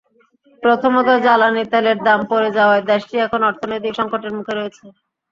প্রথমত, জ্বালানি তেলের দাম পড়ে যাওয়ায় দেশটি এখন অর্থনৈতিক সংকটের মুখে রয়েছে।